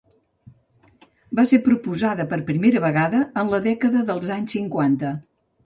Va ser proposada per primera vegada en la dècada dels anys cinquanta.